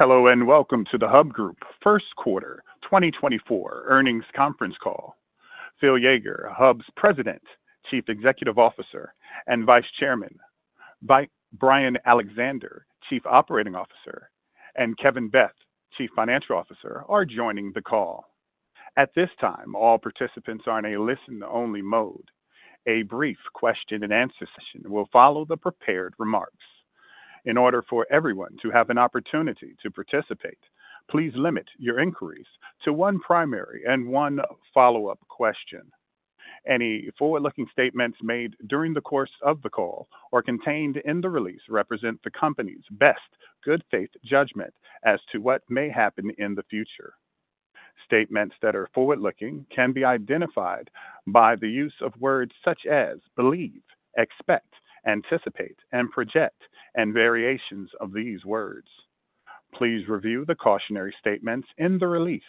Hello, and welcome to the Hub Group First Quarter 2024 Earnings Conference Call. Phil Yeager, Hub's President, Chief Executive Officer, and Vice Chairman, Brian Alexander, Chief Operating Officer, and Kevin Beth, Chief Financial Officer, are joining the call. At this time, all participants are in a listen-only mode. A brief question-and-answer session will follow the prepared remarks. In order for everyone to have an opportunity to participate, please limit your inquiries to one primary and one follow-up question. Any forward-looking statements made during the course of the call or contained in the release represent the company's best good faith judgment as to what may happen in the future. Statements that are forward-looking can be identified by the use of words such as believe, expect, anticipate, and project, and variations of these words. Please review the cautionary statements in the release.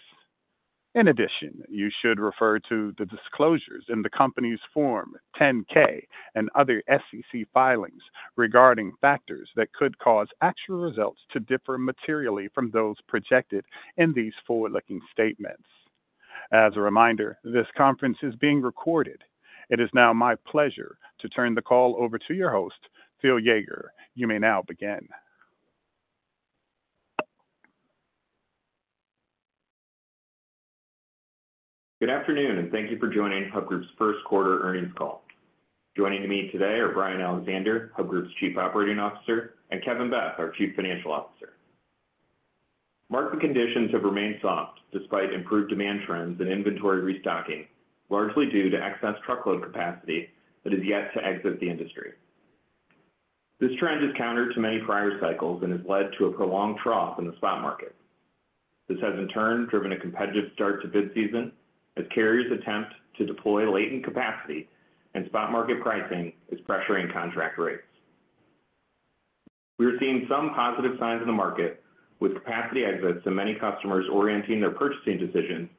In addition, you should refer to the disclosures in the company's Form 10-K and other SEC filings regarding factors that could cause actual results to differ materially from those projected in these forward-looking statements. As a reminder, this conference is being recorded. It is now my pleasure to turn the call over to your host, Phil Yeager. You may now begin. Good afternoon, and thank you for joining Hub Group's first quarter earnings call. Joining me today are Brian Alexander, Hub Group's Chief Operating Officer, and Kevin Beth, our Chief Financial Officer. Market conditions have remained soft despite improved demand trends and inventory restocking, largely due to excess truckload capacity that is yet to exit the industry. This trend is counter to many prior cycles and has led to a prolonged trough in the spot market. This has, in turn, driven a competitive start to bid season as carriers attempt to deploy latent capacity and spot market pricing is pressuring contract rates. We are seeing some positive signs in the market, with capacity exits and many customers orienting their purchasing decisions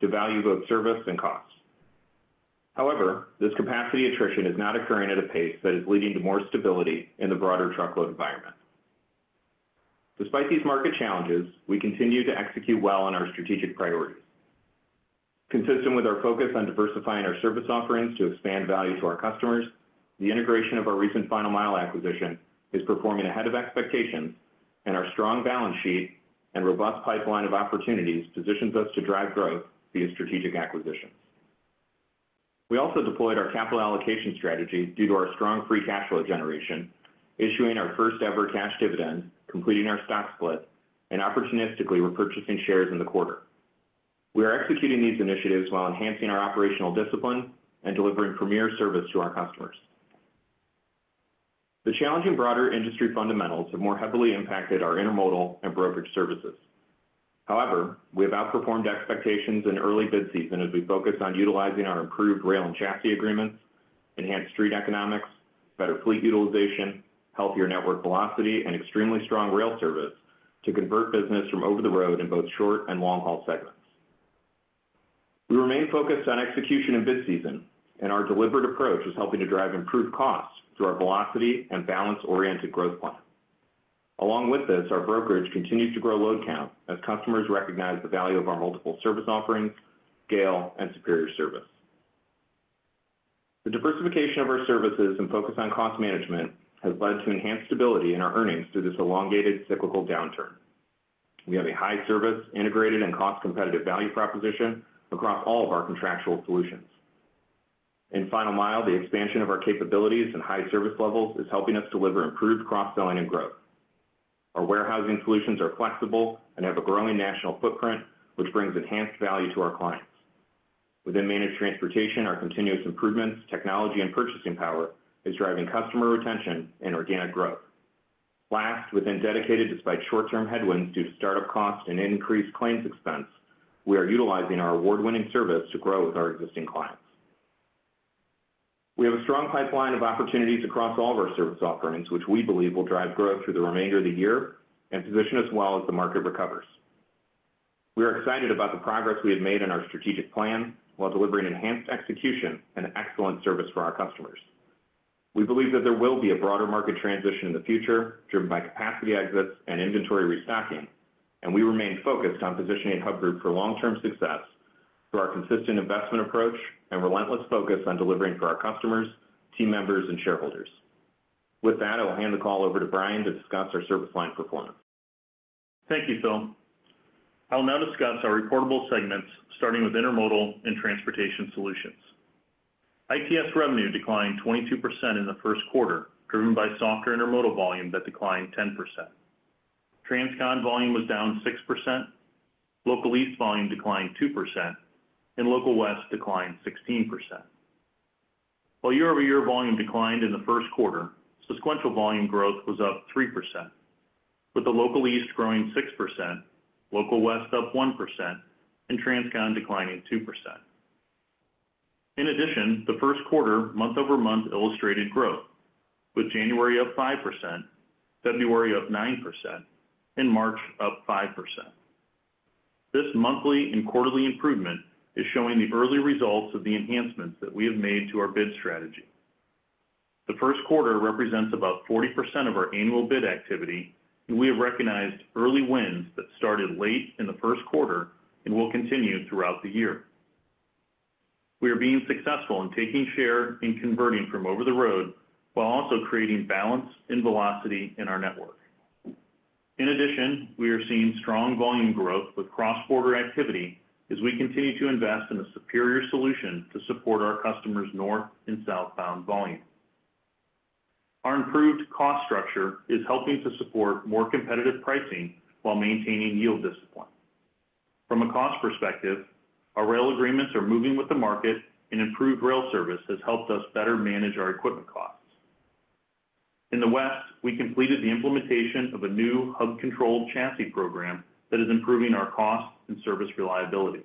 to value both service and costs. However, this capacity attrition is not occurring at a pace that is leading to more stability in the broader truckload environment. Despite these market challenges, we continue to execute well on our strategic priorities. Consistent with our focus on diversifying our service offerings to expand value to our customers, the integration of our recent Final Mile acquisition is performing ahead of expectations, and our strong balance sheet and robust pipeline of opportunities positions us to drive growth via strategic acquisitions. We also deployed our capital allocation strategy due to our strong free cash flow generation, issuing our first-ever cash dividend, completing our stock split, and opportunistically repurchasing shares in the quarter. We are executing these initiatives while enhancing our operational discipline and delivering premier service to our customers. The challenging broader industry fundamentals have more heavily impacted our intermodal and brokerage services. However, we have outperformed expectations in early bid season as we focus on utilizing our improved rail and chassis agreements, enhanced street economics, better fleet utilization, healthier network velocity, and extremely strong rail service to convert business from over the road in both short and long-haul segments. We remain focused on execution in bid season, and our deliberate approach is helping to drive improved costs through our velocity and balance-oriented growth plan. Along with this, our brokerage continues to grow load count as customers recognize the value of our multiple service offerings, scale, and superior service. The diversification of our services and focus on cost management has led to enhanced stability in our earnings through this elongated cyclical downturn. We have a high-service, integrated, and cost-competitive value proposition across all of our contractual solutions. In Final Mile, the expansion of our capabilities and high service levels is helping us deliver improved cross-selling and growth. Our warehousing solutions are flexible and have a growing national footprint, which brings enhanced value to our clients. Within Managed Transportation, our continuous improvements, technology, and purchasing power is driving customer retention and organic growth. Last, within dedicated, despite short-term headwinds due to startup costs and increased claims expense, we are utilizing our award-winning service to grow with our existing clients. We have a strong pipeline of opportunities across all of our service offerings, which we believe will drive growth through the remainder of the year and position us well as the market recovers. We are excited about the progress we have made in our strategic plan, while delivering enhanced execution and excellent service for our customers. We believe that there will be a broader market transition in the future, driven by capacity exits and inventory restocking, and we remain focused on positioning Hub Group for long-term success through our consistent investment approach and relentless focus on delivering for our customers, team members, and shareholders. With that, I will hand the call over to Brian to discuss our service line performance. Thank you, Phil. I will now discuss our reportable segments, starting with Intermodal and Transportation Solutions. ITS revenue declined 22% in the first quarter, driven by softer intermodal volume that declined 10%. Transcon volume was down 6%, Local East volume declined 2%, and Local West declined 16%. While year-over-year volume declined in the first quarter, sequential volume growth was up 3%, with the Local East growing 6%, Local West up 1%, and Transcon declining 2%. In addition, the first quarter, month-over-month, illustrated growth, with January up 5%, February up 9%, and March up 5%. This monthly and quarterly improvement is showing the early results of the enhancements that we have made to our bid strategy. The first quarter represents about 40% of our annual bid activity, and we have recognized early wins that started late in the first quarter and will continue throughout the year. We are being successful in taking share and converting from over-the-road, while also creating balance and velocity in our network. In addition, we are seeing strong volume growth with cross-border activity as we continue to invest in a superior solution to support our customers' north and southbound volume. Our improved cost structure is helping to support more competitive pricing while maintaining yield discipline. From a cost perspective, our rail agreements are moving with the market, and improved rail service has helped us better manage our equipment costs. In the West, we completed the implementation of a new hub-controlled chassis program that is improving our cost and service reliability.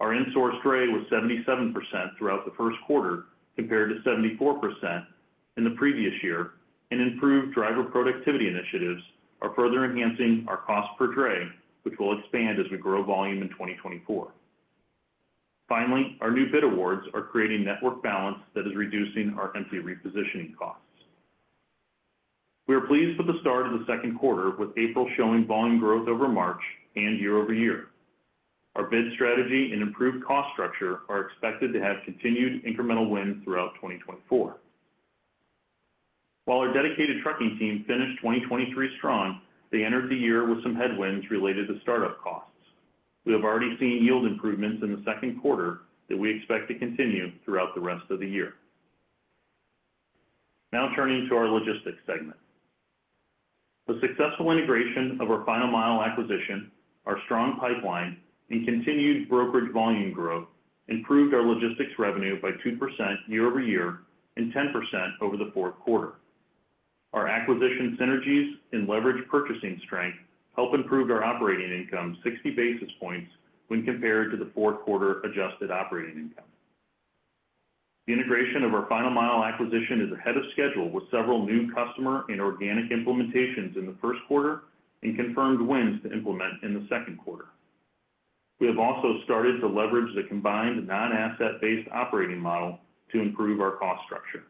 Our in-source dray was 77% throughout the first quarter, compared to 74% in the previous year, and improved driver productivity initiatives are further enhancing our cost per dray, which will expand as we grow volume in 2024. Finally, our new bid awards are creating network balance that is reducing our empty repositioning costs. We are pleased with the start of the second quarter, with April showing volume growth over March and year-over-year. Our bid strategy and improved cost structure are expected to have continued incremental wins throughout 2024. While our dedicated trucking team finished 2023 strong, they entered the year with some headwinds related to startup costs. We have already seen yield improvements in the second quarter that we expect to continue throughout the rest of the year. Now turning to our logistics segment. The successful integration of our Final Mile acquisition, our strong pipeline, and continued brokerage volume growth improved our logistics revenue by 2% year-over-year and 10% over the fourth quarter. Our acquisition synergies and leverage purchasing strength helped improve our operating income 60 basis points when compared to the fourth quarter adjusted operating income. The integration of our Final Mile acquisition is ahead of schedule, with several new customer and organic implementations in the first quarter and confirmed wins to implement in the second quarter. We have also started to leverage the combined non-asset-based operating model to improve our cost structure.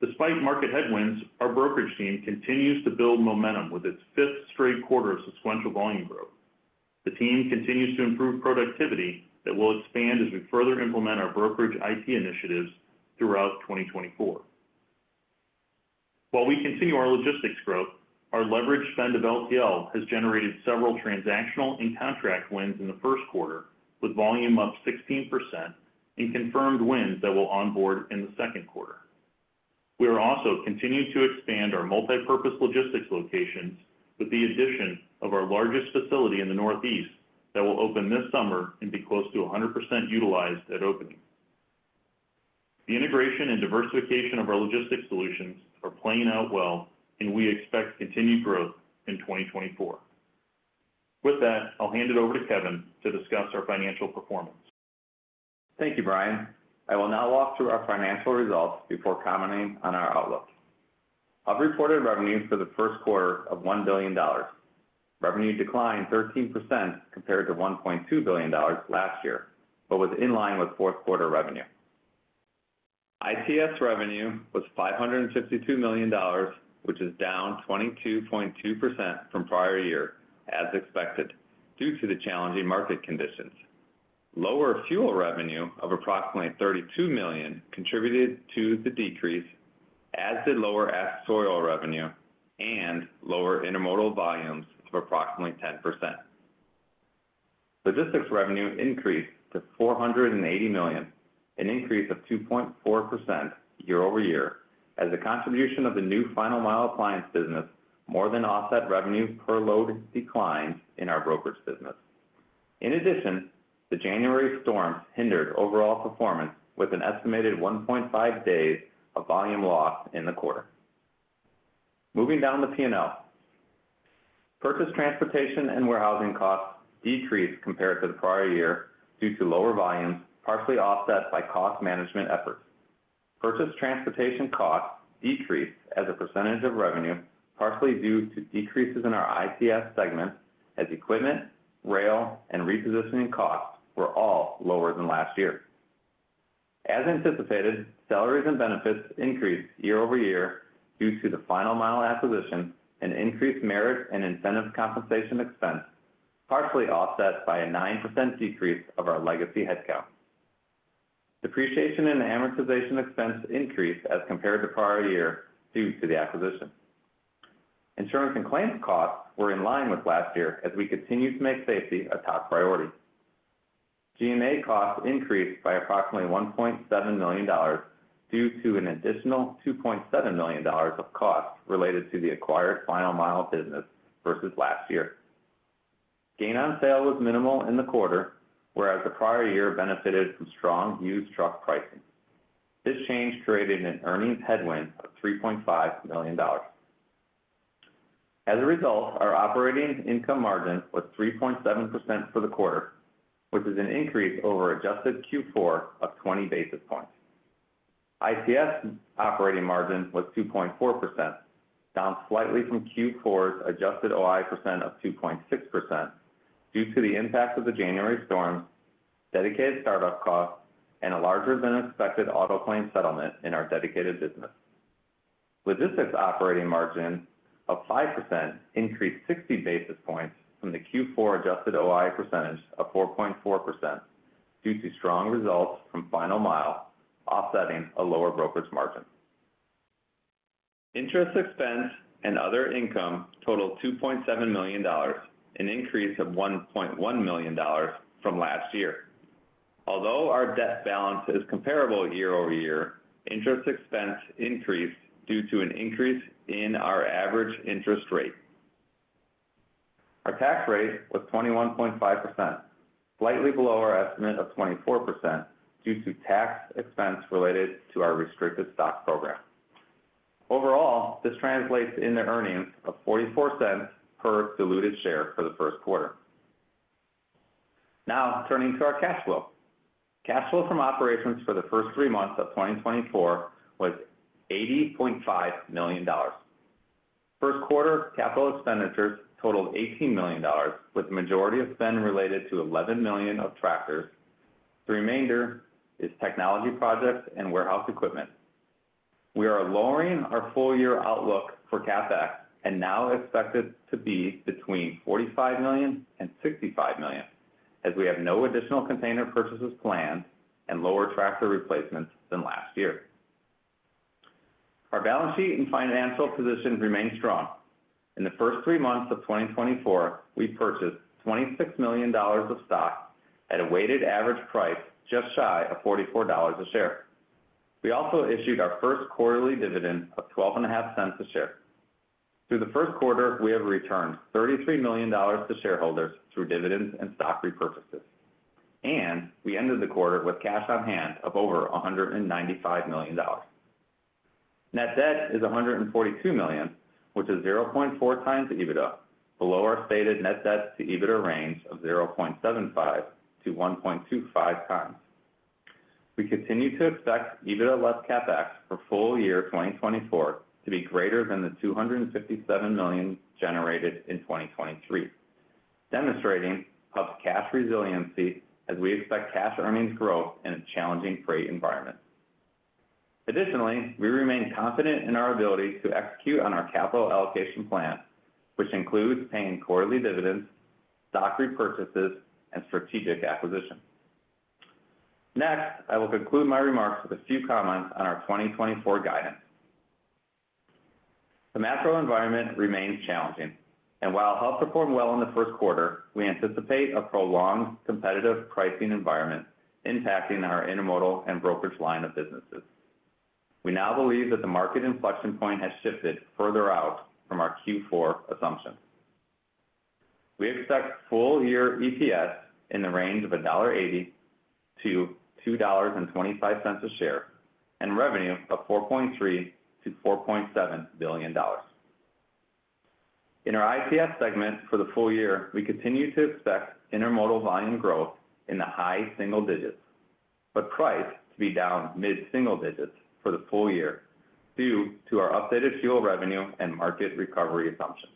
Despite market headwinds, our brokerage team continues to build momentum with its fifth straight quarter of sequential volume growth. The team continues to improve productivity that will expand as we further implement our brokerage IT initiatives throughout 2024. While we continue our logistics growth, our leveraged spend of LTL has generated several transactional and contract wins in the first quarter, with volume up 16% and confirmed wins that will onboard in the second quarter. We are also continuing to expand our multipurpose logistics locations with the addition of our largest facility in the Northeast that will open this summer and be close to 100% utilized at opening. The integration and diversification of our logistics solutions are playing out well, and we expect continued growth in 2024. With that, I'll hand it over to Kevin to discuss our financial performance. Thank you, Brian. I will now walk through our financial results before commenting on our outlook. I've reported revenue for the first quarter of $1 billion. Revenue declined 13% compared to $1.2 billion last year, but was in line with fourth quarter revenue. ITS revenue was $552 million, which is down 22.2% from prior year, as expected, due to the challenging market conditions. Lower fuel revenue of approximately $32 million contributed to the decrease, as did lower asset-based revenue and lower intermodal volumes of approximately 10%. Logistics revenue increased to $480 million, an increase of 2.4% year over year, as the contribution of the new final mile appliance business more than offset revenue per load declines in our brokerage business. In addition, the January storm hindered overall performance with an estimated 1.5 days of volume loss in the quarter. Moving down the P&L. Purchased transportation and warehousing costs decreased compared to the prior year due to lower volumes, partially offset by cost management efforts. Purchased transportation costs decreased as a percentage of revenue, partially due to decreases in our ITS segment, as equipment, rail, and repositioning costs were all lower than last year. As anticipated, salaries and benefits increased year-over-year due to the Final Mile acquisition and increased merit and incentive compensation expense, partially offset by a 9% decrease of our legacy headcount. Depreciation and amortization expense increased as compared to prior year due to the acquisition. Insurance and claims costs were in line with last year as we continue to make safety a top priority. G&A costs increased by approximately $1.7 million, due to an additional $2.7 million of costs related to the acquired Final Mile business versus last year. Gain on sale was minimal in the quarter, whereas the prior year benefited from strong used truck pricing. This change created an earnings headwind of $3.5 million. As a result, our operating income margin was 3.7% for the quarter, which is an increase over adjusted Q4 of 20 basis points. ITS operating margin was 2.4%, down slightly from Q4's adjusted OI percent of 2.6%, due to the impact of the January storms, dedicated startup costs, and a larger-than-expected auto claim settlement in our dedicated business. Logistics operating margin of 5% increased 60 basis points from the Q4 adjusted OI percentage of 4.4%, due to strong results from Final Mile, offsetting a lower brokerage margin. Interest expense and other income totaled $2.7 million, an increase of $1.1 million from last year. Although our debt balance is comparable year-over-year, interest expense increased due to an increase in our average interest rate. Our tax rate was 21.5%, slightly below our estimate of 24%, due to tax expense related to our restricted stock program. Overall, this translates into earnings of $0.44 per diluted share for the first quarter. Now, turning to our cash flow. Cash flow from operations for the first three months of 2024 was $80.5 million. First quarter capital expenditures totaled $18 million, with the majority of spend related to $11 million of tractors. The remainder is technology projects and warehouse equipment. We are lowering our full-year outlook for CapEx and now expect it to be between $45 million and $65 million, as we have no additional container purchases planned and lower tractor replacements than last year. Our balance sheet and financial position remain strong. In the first three months of 2024, we purchased $26 million of stock at a weighted average price just shy of $44 a share. We also issued our first quarterly dividend of $0.125 a share. Through the first quarter, we have returned $33 million to shareholders through dividends and stock repurchases, and we ended the quarter with cash on hand of over $195 million. Net debt is $142 million, which is 0.4x the EBITDA, below our stated net debt to EBITDA range of 0.75x-1.25x. We continue to expect EBITDA less CapEx for full year 2024 to be greater than the $257 million generated in 2023, demonstrating HUB's cash resiliency as we expect cash earnings growth in a challenging freight environment. Additionally, we remain confident in our ability to execute on our capital allocation plan, which includes paying quarterly dividends, stock repurchases, and strategic acquisitions. Next, I will conclude my remarks with a few comments on our 2024 guidance. The macro environment remains challenging, and while HUB performed well in the first quarter, we anticipate a prolonged competitive pricing environment impacting our intermodal and brokerage line of businesses. We now believe that the market inflection point has shifted further out from our Q4 assumptions. We expect full-year EPS in the range of $1.80-$2.25 a share, and revenue of $4.3-$4.7 billion. In our ITS segment for the full year, we continue to expect intermodal volume growth in the high single digits, but price to be down mid-single digits for the full year due to our updated fuel revenue and market recovery assumptions.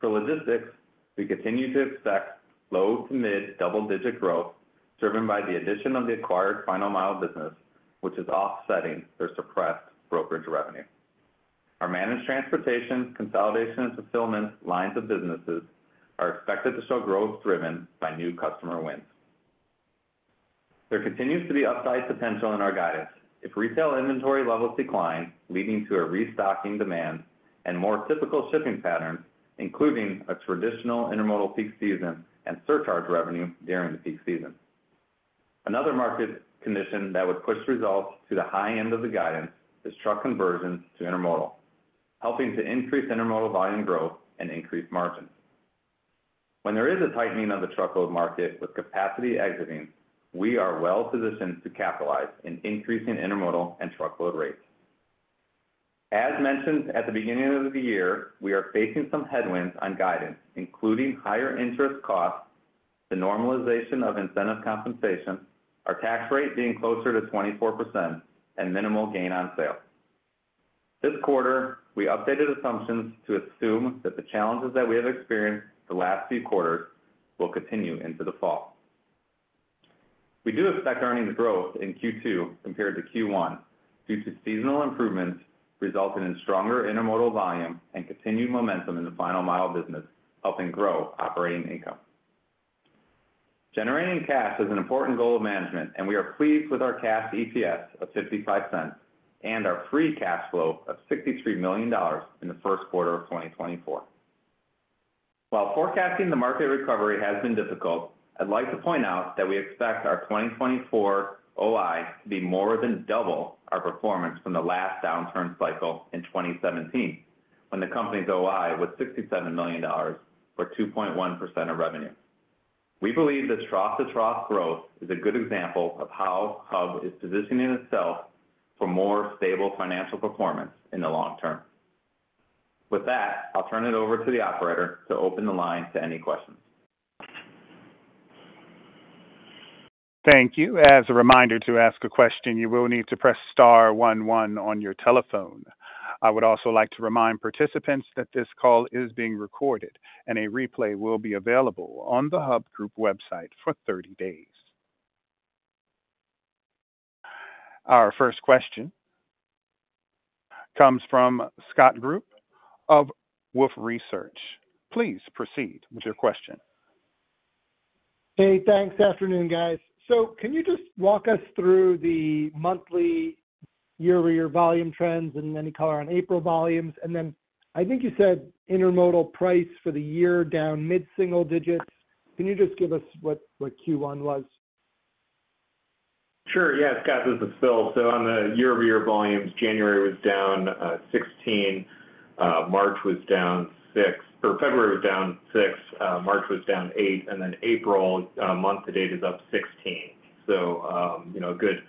For logistics, we continue to expect low to mid double-digit growth, driven by the addition of the acquired Final Mile business, which is offsetting their suppressed brokerage revenue. Our managed transportation, consolidation, and fulfillment lines of businesses are expected to show growth driven by new customer wins. There continues to be upside potential in our guidance if retail inventory levels decline, leading to a restocking demand and more typical shipping patterns, including a traditional intermodal peak season and surcharge revenue during the peak season. Another market condition that would push results to the high end of the guidance is truck conversions to intermodal, helping to increase intermodal volume growth and increase margins. When there is a tightening of the truckload market with capacity exiting, we are well positioned to capitalize in increasing intermodal and truckload rates. As mentioned at the beginning of the year, we are facing some headwinds on guidance, including higher interest costs, the normalization of incentive compensation, our tax rate being closer to 24%, and minimal gain on sale. This quarter, we updated assumptions to assume that the challenges that we have experienced the last few quarters will continue into the fall. We do expect earnings growth in Q2 compared to Q1 due to seasonal improvements, resulting in stronger intermodal volume and continued momentum in the Final Mile business, helping grow operating income. Generating cash is an important goal of management, and we are pleased with our cash EPS of $0.55 and our free cash flow of $63 million in the first quarter of 2024. While forecasting the market recovery has been difficult, I'd like to point out that we expect our 2024 OI to be more than double our performance from the last downturn cycle in 2017, when the company's OI was $67 million, or 2.1% of revenue. We believe this trough-to-trough growth is a good example of how HUB is positioning itself for more stable financial performance in the long term. With that, I'll turn it over to the operator to open the line to any questions. Thank you. As a reminder, to ask a question, you will need to press star one one on your telephone. I would also like to remind participants that this call is being recorded, and a replay will be available on the Hub Group website for 30 days. Our first question comes from Scott Group of Wolfe Research. Please proceed with your question. Hey, thanks. Afternoon, guys. So can you just walk us through the monthly year-over-year volume trends and any color on April volumes? And then I think you said intermodal price for the year down mid-single digits. Can you just give us what, what Q1 was? Sure. Yeah, Scott, this is Phil. So on the year-over-year volumes, January was down 16, March was down six, or February was down six, March was down eight, and then April, month to date, is up 16. So, you know, a good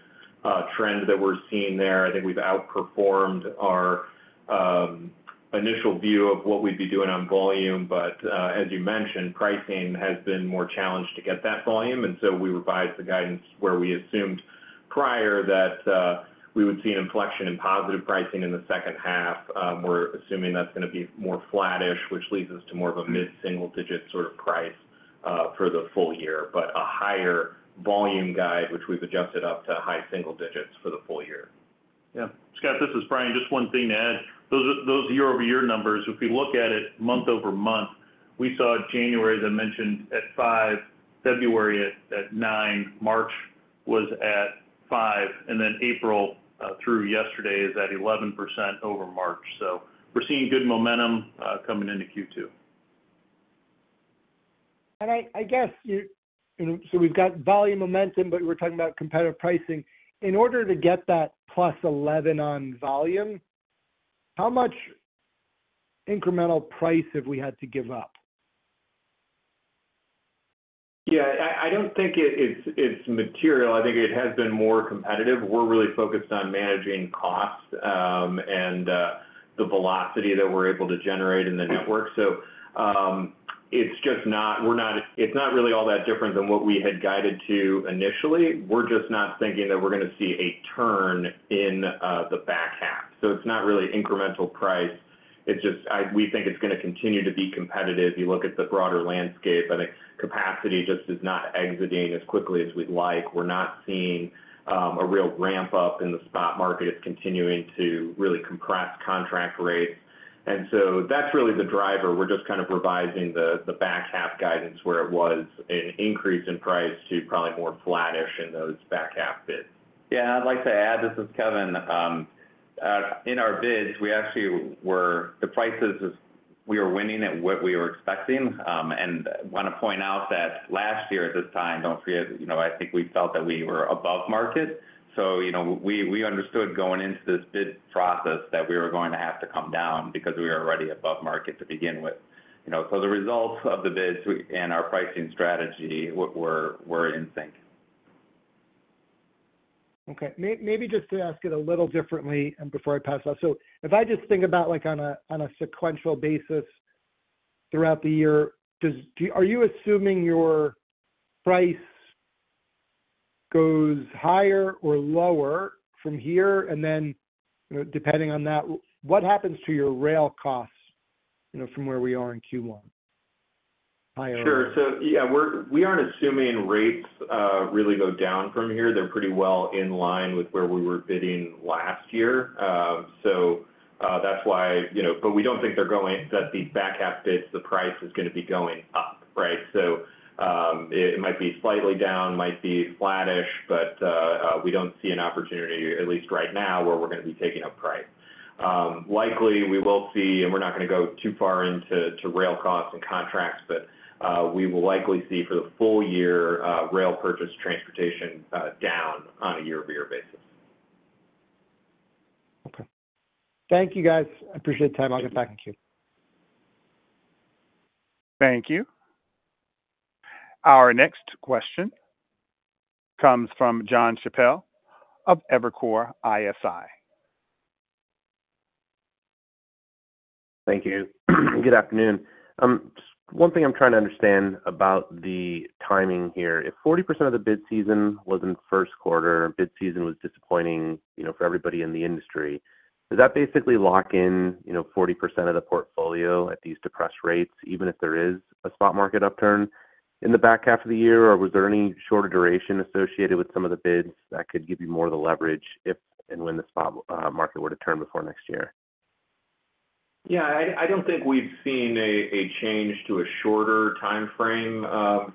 trend that we're seeing there. I think we've outperformed our initial view of what we'd be doing on volume, but, as you mentioned, pricing has been more challenged to get that volume, and so we revised the guidance where we assumed prior that we would see an inflection in positive pricing in the second half. We're assuming that's going to be more flattish, which leads us to more of a mid-single digit sort of price for the full year. But a higher volume guide, which we've adjusted up to high single digits for the full year. Yeah. Scott, this is Brian. Just one thing to add. Those, those year-over-year numbers, if you look at it month-over-month, we saw January, as I mentioned, at five, February at, at nine, March was at five, and then April, through yesterday, is at 11% over March. So we're seeing good momentum, coming into Q2. I guess, so we've got volume momentum, but we're talking about competitive pricing. In order to get that +11 on volume, how much incremental price have we had to give up? Yeah, I don't think it's material. I think it has been more competitive. We're really focused on managing costs and the velocity that we're able to generate in the network. So, it's just not really all that different than what we had guided to initially. We're just not thinking that we're going to see a turn in the back half. So it's not really incremental price. It's just, we think it's going to continue to be competitive. You look at the broader landscape, I think capacity just is not exiting as quickly as we'd like. We're not seeing a real ramp-up in the spot market. It's continuing to really compress contract rates. And so that's really the driver. We're just kind of revising the back half guidance where it was an increase in price to probably more flattish in those back half bids. Yeah, I'd like to add, this is Kevin. In our bids, we actually were. The prices is, we were winning at what we were expecting. And want to point out that last year at this time, don't forget, you know, I think we felt that we were above market. So, you know, we understood going into this bid process that we were going to have to come down because we were already above market to begin with, you know. So the results of the bids and our pricing strategy were in sync. Okay. Maybe just to ask it a little differently and before I pass it on. So if I just think about like on a sequential basis throughout the year, do you assume your price goes higher or lower from here? And then, you know, depending on that, what happens to your rail costs, you know, from where we are in Q1? Higher. Sure. So, yeah, we aren't assuming rates really go down from here. They're pretty well in line with where we were bidding last year. So, that's why, you know... But we don't think they're going, that the back half bids, the price is going to be going up, right? So, it might be slightly down, might be flattish, but we don't see an opportunity, at least right now, where we're going to be taking up price. Likely, we will see, and we're not going to go too far into to rail costs and contracts, but we will likely see for the full year, rail purchase transportation down on a year-over-year basis. Okay. Thank you, guys. I appreciate the time. I'll get back to you. Thank you. Our next question comes from Jon Chappell of Evercore ISI. Thank you. Good afternoon. One thing I'm trying to understand about the timing here. If 40% of the bid season was in the first quarter, bid season was disappointing, you know, for everybody in the industry, does that basically lock in, you know, 40% of the portfolio at these depressed rates, even if there is a spot market upturn in the back half of the year? Or was there any shorter duration associated with some of the bids that could give you more of the leverage if and when the spot market were to turn before next year? Yeah, I don't think we've seen a change to a shorter timeframe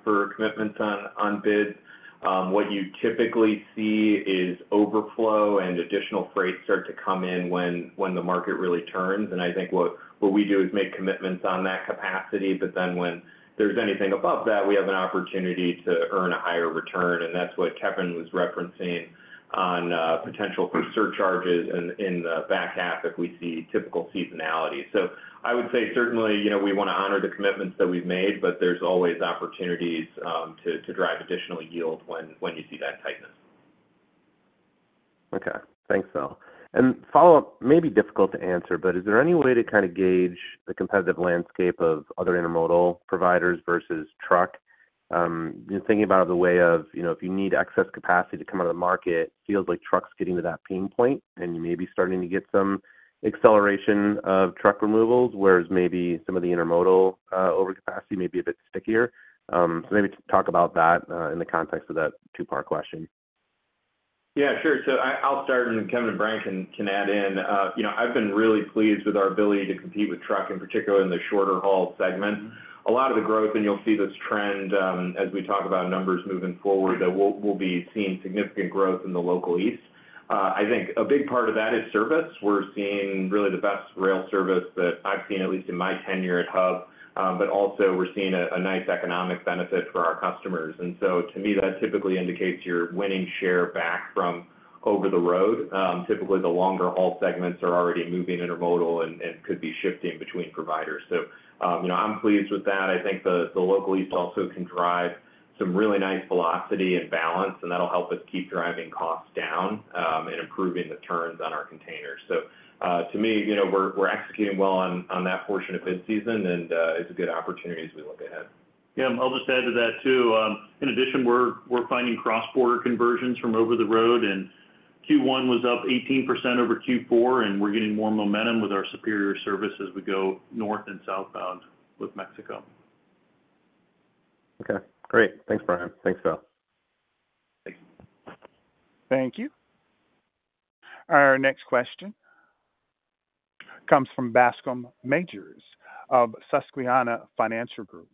for commitments on bids. What you typically see is overflow and additional freight start to come in when the market really turns. And I think what we do is make commitments on that capacity, but then when there's anything above that, we have an opportunity to earn a higher return, and that's what Kevin was referencing on potential for surcharges in the back half if we see typical seasonality. So I would say certainly, you know, we want to honor the commitments that we've made, but there's always opportunities to drive additional yield when you see that tightness. Okay, thanks, Phil. And follow-up, may be difficult to answer, but is there any way to kind of gauge the competitive landscape of other intermodal providers versus truck? Just thinking about it the way of, you know, if you need excess capacity to come out of the market, feels like trucks getting to that pain point, and you may be starting to get some acceleration of truck removals, whereas maybe some of the intermodal overcapacity may be a bit stickier. So maybe talk about that in the context of that two-part question. Yeah, sure. So I'll start, and then Kevin and Frank can add in. You know, I've been really pleased with our ability to compete with truck, in particular in the shorter haul segment. A lot of the growth, and you'll see this trend, as we talk about numbers moving forward, we'll be seeing significant growth in the local East. I think a big part of that is service. We're seeing really the best rail service that I've seen, at least in my tenure at Hub, but also we're seeing a nice economic benefit for our customers. And so to me, that typically indicates you're winning share back from over the road. Typically, the longer haul segments are already moving intermodal and could be shifting between providers. So, you know, I'm pleased with that. I think the local east also can drive some really nice velocity and balance, and that'll help us keep driving costs down, and improving the turns on our containers. So, to me, you know, we're executing well on that portion of bid season, and it's a good opportunity as we look ahead. Yeah, I'll just add to that, too. In addition, we're finding cross-border conversions from over the road, and Q1 was up 18% over Q4, and we're getting more momentum with our superior service as we go north and southbound with Mexico. Okay, great. Thanks, Brian. Thanks, Phil. Thanks. Thank you. Our next question comes from Bascom Majors of Susquehanna Financial Group.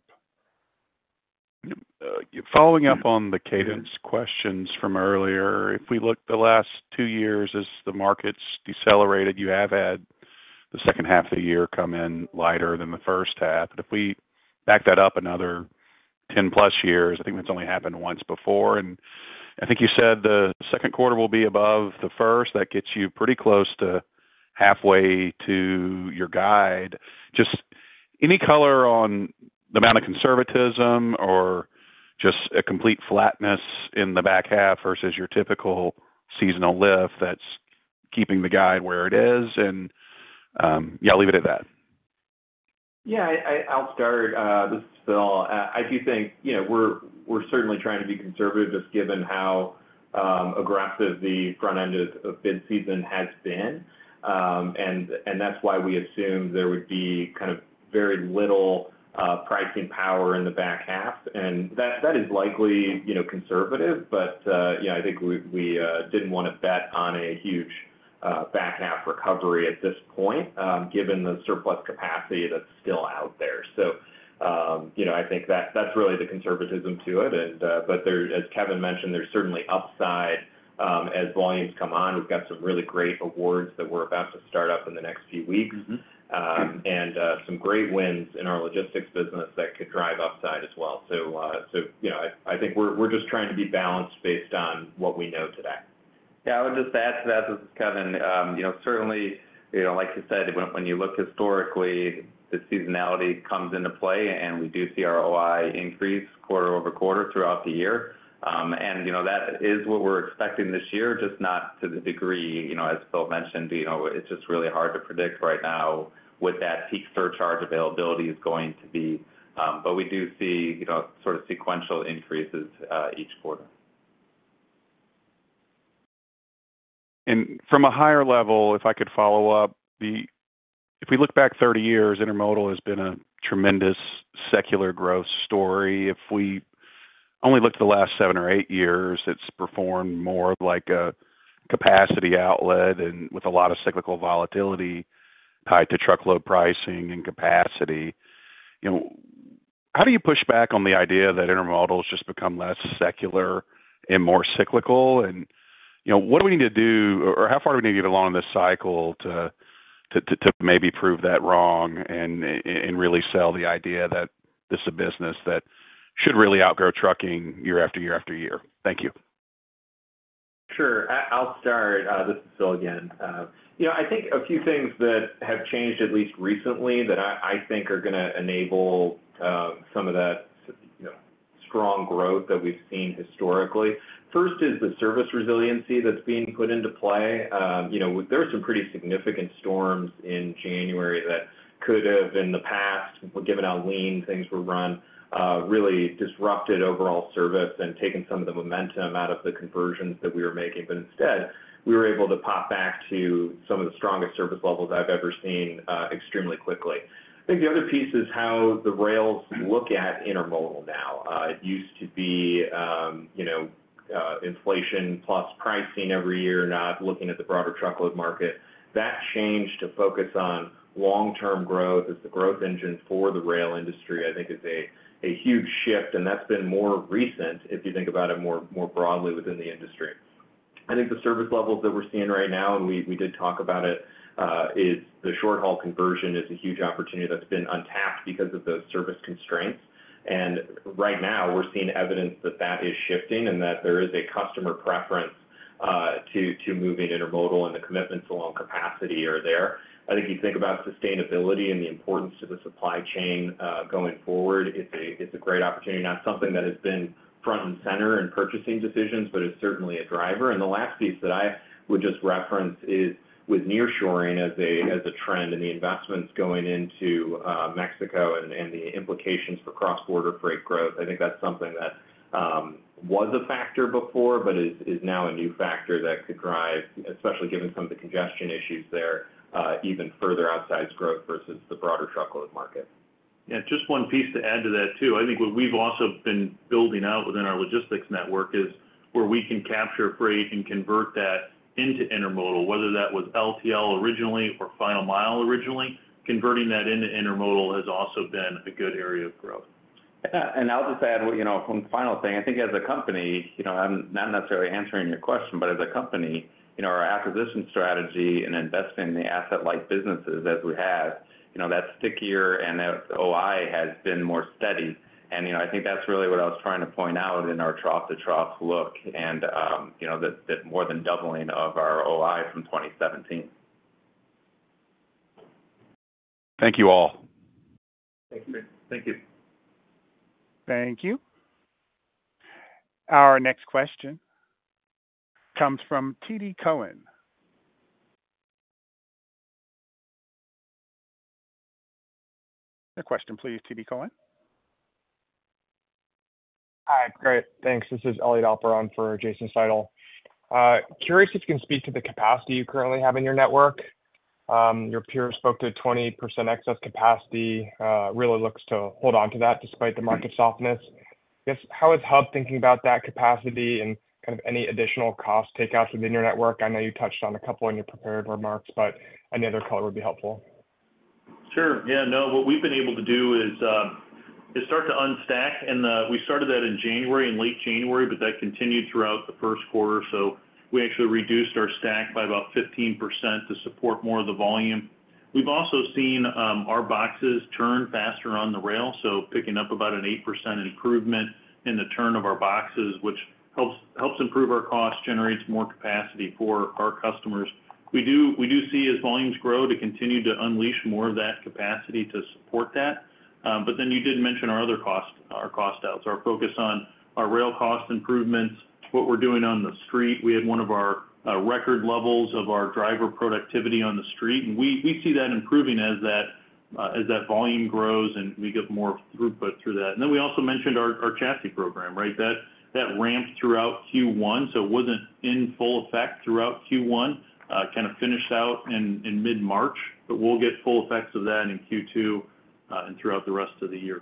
Following up on the cadence questions from earlier, if we look at the last two years, as the markets decelerated, you have had the second half of the year come in lighter than the first half. But if we back that up another 10 plus years, I think that's only happened once before. And I think you said the second quarter will be above the first. That gets you pretty close to halfway to your guide. Just any color on the amount of conservatism or just a complete flatness in the back half versus your typical seasonal lift that's keeping the guide where it is? And, yeah, I'll leave it at that. Yeah, I'll start, this is Phil. I do think, you know, we're certainly trying to be conservative, just given how aggressive the front end of bid season has been. And that's why we assumed there would be kind of very little pricing power in the back half. And that is likely, you know, conservative, but you know, I think we didn't want to bet on a huge back half recovery at this point, given the surplus capacity that's still out there. So, you know, I think that's really the conservatism to it. And but there, as Kevin mentioned, there's certainly upside, as volumes come on. We've got some really great awards that we're about to start up in the next few weeks, and some great wins in our logistics business that could drive upside as well. So, you know, I think we're just trying to be balanced based on what we know today. Yeah, I would just add to that, this is Kevin. You know, certainly, you know, like you said, when you look historically, the seasonality comes into play, and we do see our ROI increase quarter-over-quarter throughout the year. And, you know, that is what we're expecting this year, just not to the degree, you know, as Phil mentioned, you know, it's just really hard to predict right now what that peak surcharge availability is going to be. But we do see, you know, sort of sequential increases each quarter. From a higher level, if I could follow up. If we look back 30 years, intermodal has been a tremendous secular growth story. If we only look at the last seven or eight years, it's performed more like a capacity outlet and with a lot of cyclical volatility tied to truckload pricing and capacity. You know, how do you push back on the idea that intermodal has just become less secular and more cyclical? And, you know, what do we need to do, or how far do we need to get along this cycle to maybe prove that wrong and really sell the idea that this is a business that should really outgrow trucking year after year after year? Thank you. Sure. I'll start. This is Phil again. You know, I think a few things that have changed, at least recently, that I think are gonna enable some of that, you know, strong growth that we've seen historically. First is the service resiliency that's being put into play. You know, there were some pretty significant storms in January that could have, in the past, given how lean things were run, really disrupted overall service and taken some of the momentum out of the conversions that we were making. But instead, we were able to pop back to some of the strongest service levels I've ever seen, extremely quickly. I think the other piece is how the rails look at intermodal now. It used to be, you know, inflation plus pricing every year, not looking at the broader truckload market. That changed to focus on long-term growth as the growth engine for the rail industry, I think is a huge shift, and that's been more recent, if you think about it more broadly within the industry. I think the service levels that we're seeing right now, and we did talk about it, is the short-haul conversion is a huge opportunity that's been untapped because of the service constraints. And right now, we're seeing evidence that that is shifting, and that there is a customer preference to moving intermodal, and the commitments along capacity are there. I think you think about sustainability and the importance to the supply chain going forward, it's a great opportunity, not something that has been- -front and center in purchasing decisions, but it's certainly a driver. And the last piece that I would just reference is with nearshoring as a trend, and the investments going into Mexico and the implications for cross-border freight growth. I think that's something that was a factor before, but is now a new factor that could drive, especially given some of the congestion issues there, even further outsized growth versus the broader truckload market. Yeah, just one piece to add to that, too. I think what we've also been building out within our logistics network is where we can capture freight and convert that into intermodal, whether that was LTL originally or Final Mile originally, converting that into intermodal has also been a good area of growth. Yeah, and I'll just add, you know, one final thing. I think as a company, you know, I'm not necessarily answering your question, but as a company, you know, our acquisition strategy and investing in the asset-light businesses that we have, you know, that's stickier and that OI has been more steady. And, you know, I think that's really what I was trying to point out in our trough-to-trough look, and, you know, that more than doubling of our OI from 2017. Thank you, all. Thank you. Thank you. Thank you. Our next question comes from TD Cowen. Your question, please, TD Cowen. Hi. Great, thanks. This is Elliot Alper on for Jason Seidl. Curious if you can speak to the capacity you currently have in your network. Your peers spoke to 20% excess capacity, really looks to hold on to that despite the market softness. Just how is Hub thinking about that capacity and kind of any additional cost takeouts within your network? I know you touched on a couple in your prepared remarks, but any other color would be helpful. Sure. Yeah, no, what we've been able to do is start to unstack, and we started that in January, in late January, but that continued throughout the first quarter. So we actually reduced our stack by about 15% to support more of the volume. We've also seen our boxes turn faster on the rail, so picking up about an 8% improvement in the turn of our boxes, which helps, helps improve our cost, generates more capacity for our customers. We do, we do see, as volumes grow, to continue to unleash more of that capacity to support that. But then you did mention our other cost, our cost outs, our focus on our rail cost improvements, what we're doing on the street. We had one of our record levels of our driver productivity on the street, and we see that improving as that volume grows, and we get more throughput through that. And then we also mentioned our chassis program, right? That ramped throughout Q1, so it wasn't in full effect throughout Q1. Kind of finished out in mid-March, but we'll get full effects of that in Q2 and throughout the rest of the year.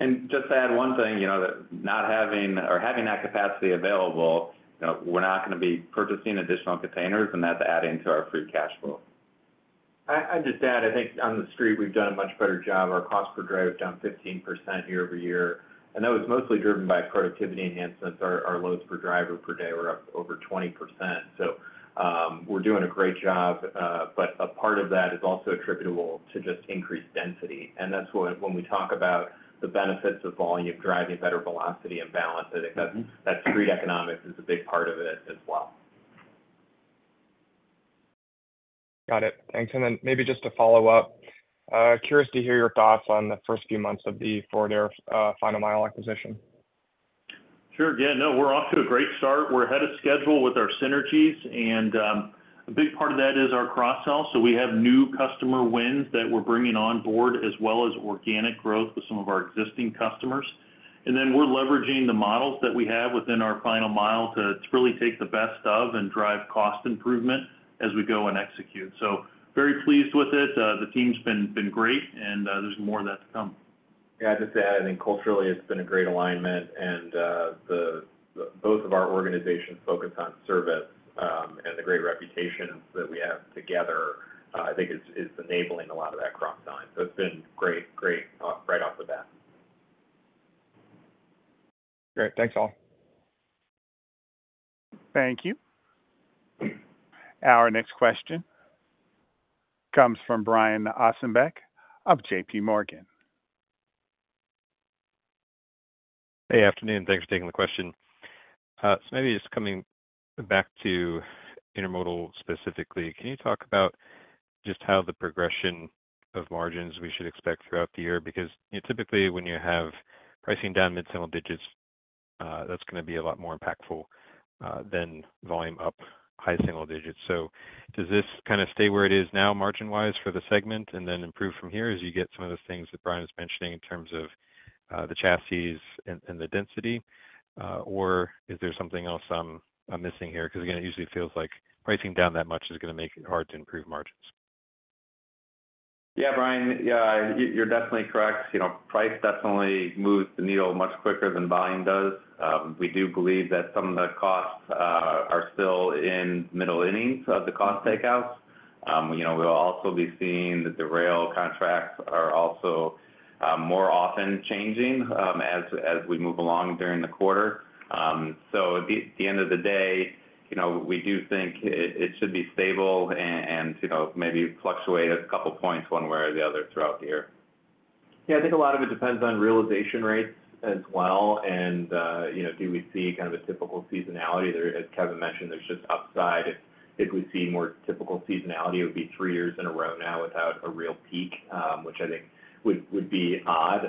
Just to add one thing, you know, that not having or having that capacity available, you know, we're not going to be purchasing additional containers, and that's adding to our free cash flow. I'll just add, I think on the street, we've done a much better job. Our cost per drive is down 15% year-over-year, and that was mostly driven by productivity enhancements. Our loads per driver per day were up over 20%. So, we're doing a great job, but a part of that is also attributable to just increased density, and that's what when we talk about the benefits of volume, driving better velocity and balance, I think that, that street economics is a big part of it as well. Got it. Thanks. And then maybe just to follow up, curious to hear your thoughts on the first few months of the Forward Air Final Mile acquisition? Sure. Yeah, no, we're off to a great start. We're ahead of schedule with our synergies, and a big part of that is our cross-sell. So we have new customer wins that we're bringing on board, as well as organic growth with some of our existing customers. And then we're leveraging the models that we have within our Final Mile to really take the best of and drive cost improvement as we go and execute. So very pleased with it. The team's been great, and there's more of that to come. Yeah, just to add, I think culturally, it's been a great alignment, and both of our organizations focus on service, and the great reputation that we have together, I think is enabling a lot of that cross-sell. So it's been great, great, right off the bat. Great. Thanks, all. Thank you. Our next question comes from Brian Ossenbeck of J.P. Morgan. Hey, afternoon. Thanks for taking the question. So maybe just coming back to intermodal specifically, can you talk about just how the progression of margins we should expect throughout the year? Because, you know, typically when you have pricing down mid-single digits, that's going to be a lot more impactful than volume up high single digits. So does this kind of stay where it is now, margin-wise, for the segment, and then improve from here as you get some of the things that Brian was mentioning in terms of the chassis and the density? Or is there something else I'm missing here? Because again, it usually feels like pricing down that much is going to make it hard to improve margins. Yeah, Brian, yeah, you're definitely correct. You know, price definitely moves the needle much quicker than volume does. We do believe that some of the costs are still in middle innings of the cost takeouts. You know, we'll also be seeing that the rail contracts are also more often changing as we move along during the quarter. So at the end of the day, you know, we do think it should be stable and, you know, maybe fluctuate a couple points one way or the other throughout the year. Yeah, I think a lot of it depends on realization rates as well, and, you know, do we see kind of a typical seasonality there? As Kevin mentioned, there's just upside. If we see more typical seasonality, it would be three years in a row now without a real peak, which I think would be odd.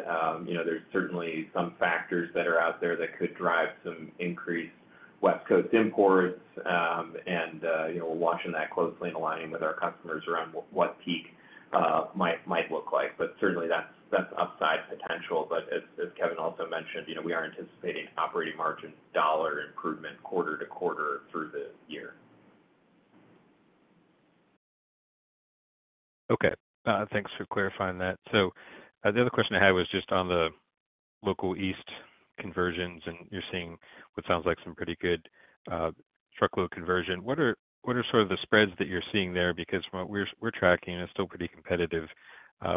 You know, there's certainly some factors that are out there that could drive some increased West Coast imports. You know, we're watching that closely and aligning with our customers around what peak might look like. But certainly, that's upside potential. But as Kevin also mentioned, you know, we are anticipating operating margin dollar improvement quarter to quarter through the year. Okay. Thanks for clarifying that. So, the other question I had was just on the local East conversions, and you're seeing what sounds like some pretty good truckload conversion. What are sort of the spreads that you're seeing there? Because from what we're tracking, it's still pretty competitive,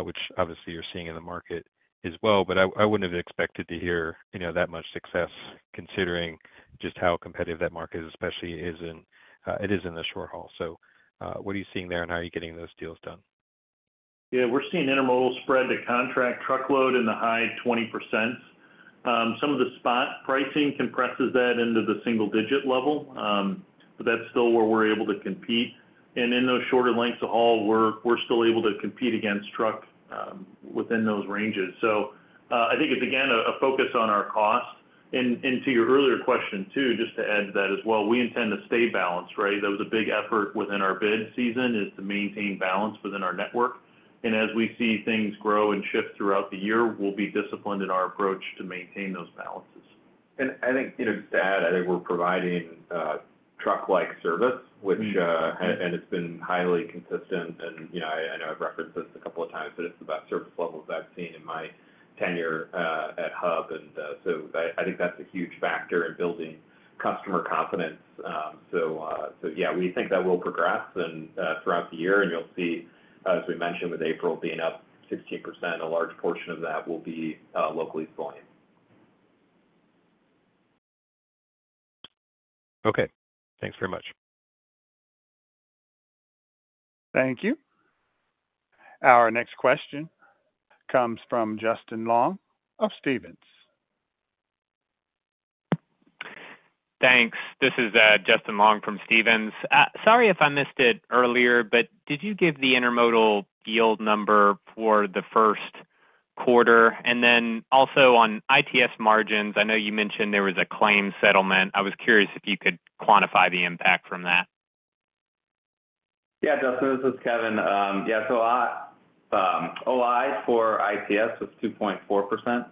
which obviously you're seeing in the market as well. But I wouldn't have expected to hear, you know, that much success, considering just how competitive that market is, especially in the short haul. So, what are you seeing there, and how are you getting those deals done? Yeah, we're seeing intermodal spread to contract truckload in the high 20%. Some of the spot pricing compresses that into the single-digit level, but that's still where we're able to compete. And in those shorter lengths of haul, we're still able to compete against truck within those ranges. So, I think it's again a focus on our cost. And to your earlier question, too, just to add to that as well, we intend to stay balanced, right? That was a big effort within our bid season, is to maintain balance within our network. And as we see things grow and shift throughout the year, we'll be disciplined in our approach to maintain those balances. I think, you know, to add, I think we're providing truck-like service, which Mm-hmm. It's been highly consistent. And, you know, I know I've referenced this a couple of times, but it's the best service levels I've seen in my tenure at Hub. And, so I think that's a huge factor in building customer confidence. So yeah, we think that will progress and throughout the year, and you'll see, as we mentioned, with April being up 16%, a large portion of that will be local volume. Okay. Thanks very much. Thank you. Our next question comes from Justin Long of Stephens. Thanks. This is Justin Long from Stephens. Sorry if I missed it earlier, but did you give the intermodal yield number for the first quarter? And then also on ITS margins, I know you mentioned there was a claim settlement. I was curious if you could quantify the impact from that. Yeah, Justin, this is Kevin. Yeah, so, OI for ITS was 2.4%.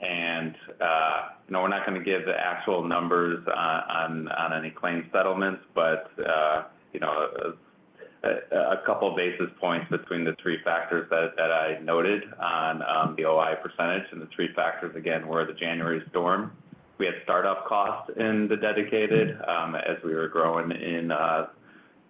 And, you know, we're not going to give the actual numbers on any claims settlements, but, you know, a couple of basis points between the three factors that I noted on the OI percentage, and the three factors, again, were the January storm. We had start-up costs in the dedicated, as we were growing in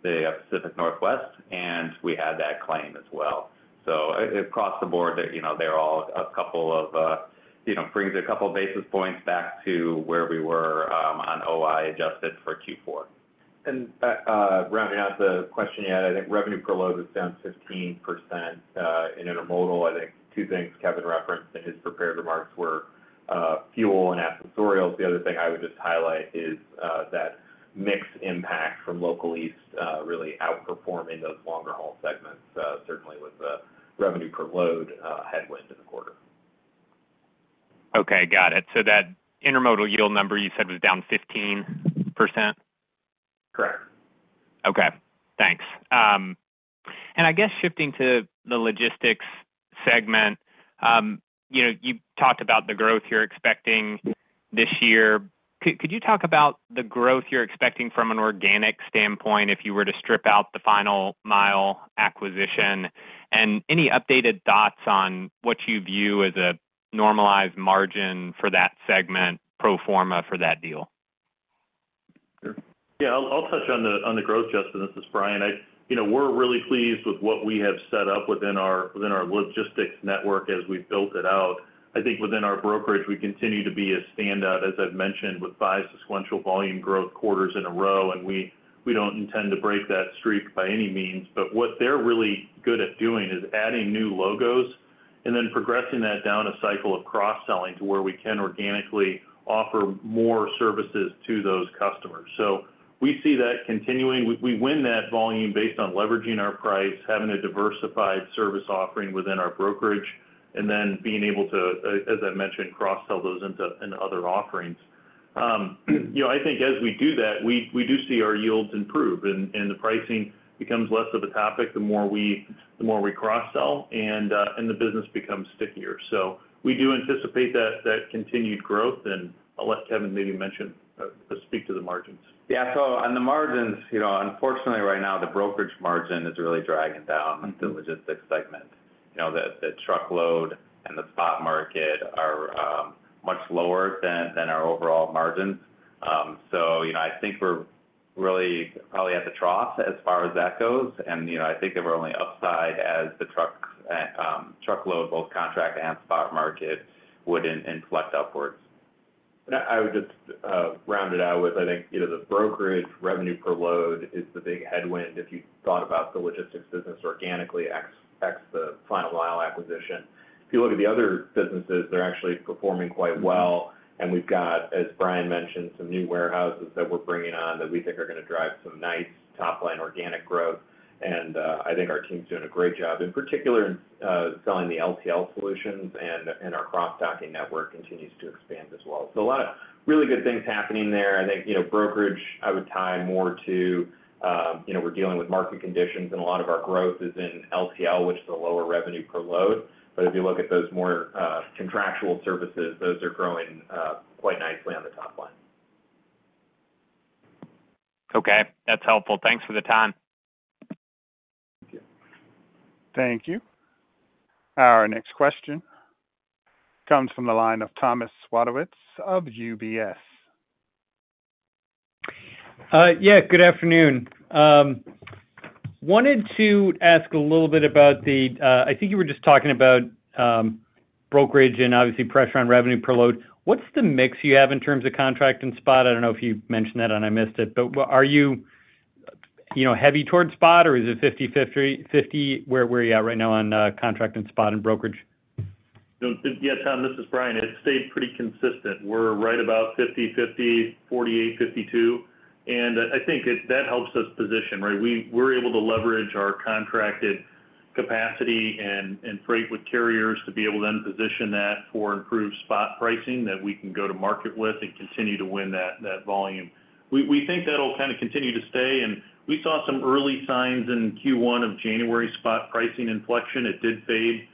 the Pacific Northwest, and we had that claim as well. So across the board, you know, they're all a couple of, you know, brings a couple of basis points back to where we were on OI, adjusted for Q4. And, rounding out the question, yeah, I think revenue per load was down 15%, in intermodal. I think two things Kevin referenced in his prepared remarks were, fuel and accessorials. The other thing I would just highlight is, that mix impact from local east, really outperforming those longer haul segments, certainly with the revenue per load, headwind in the quarter. Okay, got it. So that intermodal yield number you said was down 15%? Correct. Okay, thanks. And I guess shifting to the logistics segment, you know, you talked about the growth you're expecting this year. Could you talk about the growth you're expecting from an organic standpoint, if you were to strip out the Final Mile acquisition? And any updated thoughts on what you view as a normalized margin for that segment, pro forma for that deal? Sure. Yeah, I'll touch on the growth, Justin. This is Brian. You know, we're really pleased with what we have set up within our logistics network as we've built it out. I think within our brokerage, we continue to be a standout, as I've mentioned, with five sequential volume growth quarters in a row, and we don't intend to break that streak by any means. But what they're really good at doing is adding new logos and then progressing that down a cycle of cross-selling to where we can organically offer more services to those customers. So we see that continuing. We win that volume based on leveraging our price, having a diversified service offering within our brokerage, and then being able to, as I mentioned, cross-sell those into other offerings. You know, I think as we do that, we do see our yields improve, and the pricing becomes less of a topic, the more we cross-sell, and the business becomes stickier. So we do anticipate that continued growth, and I'll let Kevin maybe mention or speak to the margins. Yeah, on the margins, you know, unfortunately, right now, the brokerage margin is really dragging down- Mm-hmm. - the logistics segment. You know, the truckload and the spot market are much lower than our overall margins. So, you know, I think we're really probably at the trough as far as that goes. And, you know, I think they're only upside as the truckload, both contract and spot market, would inflect upwards. I would just round it out with, I think, you know, the brokerage revenue per load is the big headwind, if you thought about the logistics business organically, ex the Final Mile acquisition. If you look at the other businesses, they're actually performing quite well. And we've got, as Brian mentioned, some new warehouses that we're bringing on that we think are going to drive some nice top line organic growth. And, I think our team's doing a great job, in particular, in, selling the LTL solutions, and our cross-docking network continues to expand as well. So a lot of really good things happening there. I think, you know, brokerage, I would tie more to, you know, we're dealing with market conditions, and a lot of our growth is in LTL, which is a lower revenue per load. But if you look at those more, contractual services, those are growing, quite nicely on the top line. Okay, that's helpful. Thanks for the time. Thank you. Thank you. Our next question comes from the line of Thomas Wadewitz of UBS. Yeah, good afternoon. Wanted to ask a little bit about the, I think you were just talking about brokerage and obviously pressure on revenue per load. What's the mix you have in terms of contract and spot? I don't know if you mentioned that, and I missed it, but are you, you know, heavy towards spot, or is it 50/50? Where are you at right now on contract and spot and brokerage? Yeah, Tom, this is Brian. It's stayed pretty consistent. We're right about 50/50, 48, 52, and I think that helps us position, right? We're able to leverage our contracted capacity and freight with carriers to be able to then position that for improved spot pricing that we can go to market with and continue to win that volume. We think that'll kind of continue to stay, and we saw some early signs in Q1 of January spot pricing inflection. It did fade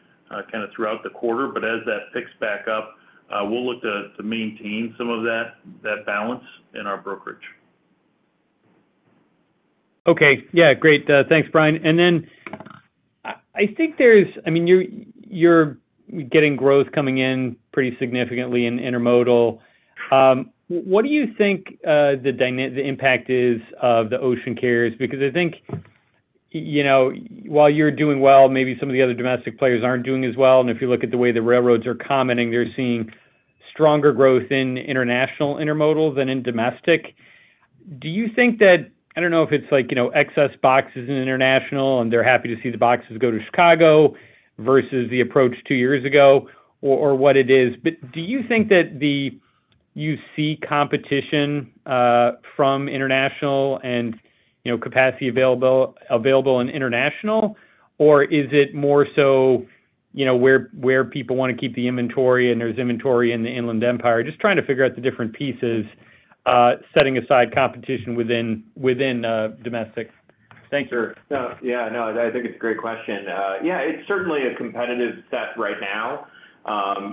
kind of throughout the quarter, but as that picks back up, we'll look to maintain some of that balance in our brokerage. Okay. Yeah, great. Thanks, Brian. I think there's... I mean, you're getting growth coming in pretty significantly in intermodal. What do you think the impact is of the ocean carriers? Because I think, you know, while you're doing well, maybe some of the other domestic players aren't doing as well, and if you look at the way the railroads are commenting, they're seeing stronger growth in international intermodal than in domestic. Do you think that, I don't know if it's like, you know, excess boxes in international, and they're happy to see the boxes go to Chicago versus the approach two years ago or what it is. But do you think that you see competition from international and, you know, capacity available in international? Or is it more so, you know, where people want to keep the inventory, and there's inventory in the Inland Empire? Just trying to figure out the different pieces, setting aside competition within domestic. Thanks. Sure. Yeah, no, I think it's a great question. Yeah, it's certainly a competitive set right now.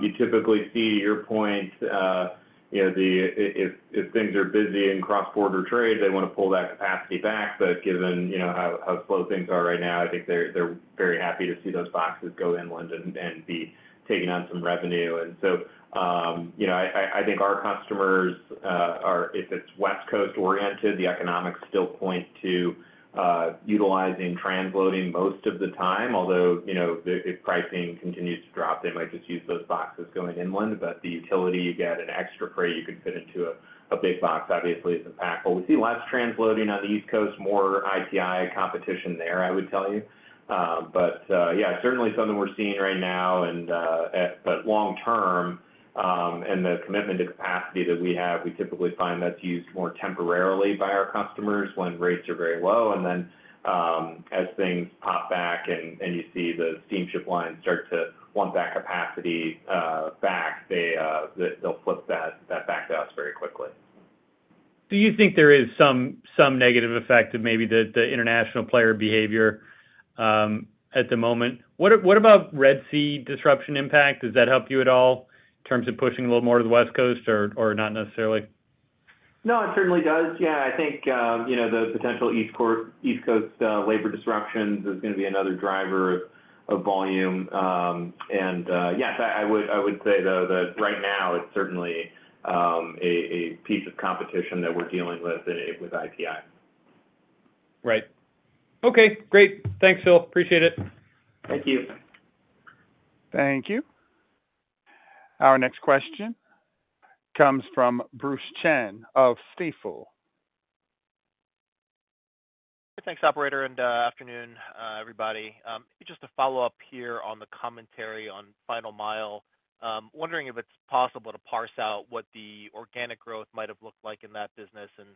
You typically see your point, you know, if things are busy in cross-border trade, they want to pull that capacity back. But given, you know, how slow things are right now, I think they're very happy to see those boxes go inland and be taking on some revenue. And so, you know, I think our customers are, if it's West Coast oriented, the economics still point to utilizing transloading most of the time. Although, you know, if pricing continues to drop, they might just use those boxes going inland, but the utility, you get an extra freight you can fit into a big box, obviously is impactful. We see less transloading on the East Coast, more IPI competition there, I would tell you. But yeah, certainly something we're seeing right now and, but long term, and the commitment to capacity that we have, we typically find that's used more temporarily by our customers when rates are very low. And then, as things pop back and, and you see the steamship lines start to want that capacity, back, they, they'll flip that, that back to us very quickly. Do you think there is some negative effect of maybe the international player behavior at the moment? What about Red Sea disruption impact? Does that help you at all in terms of pushing a little more to the West Coast or not necessarily? No, it certainly does. Yeah, I think, you know, the potential East Coast labor disruptions is going to be another driver of volume. Yes, I would say, though, that right now it's certainly a piece of competition that we're dealing with IPI. Right. Okay, great. Thanks, Phil. Appreciate it. Thank you. Thank you. Our next question comes from Bruce Chan of Stifel. Thanks, operator, and afternoon, everybody. Just to follow up here on the commentary on Final Mile, wondering if it's possible to parse out what the organic growth might have looked like in that business, and,